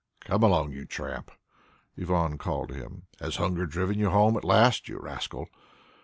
"Come along, you tramp!" Ivan called to him. "Has hunger driven you home at last, you rascal!"